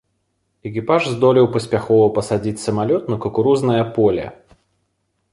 Экіпаж здолеў паспяхова пасадзіць самалёт на кукурузнае поле.